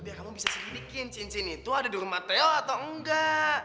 biar kamu bisa sedikit cincin itu ada di rumah teo atau enggak